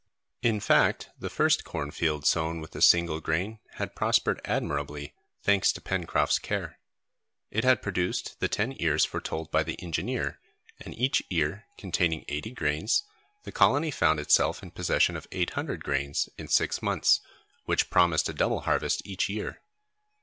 In fact, the first cornfield sown with a single grain had prospered admirably, thanks to Pencroft's care. It had produced the ten ears foretold by the engineer, and each ear containing eighty grains, the colony found itself in possession of eight hundred grains, in six months, which promised a double harvest each year.